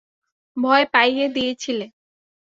ভয় পাইয়ে দিয়েছিলে।